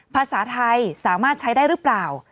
ภาษาไทยสามารถใช้ได้หรือเปล่า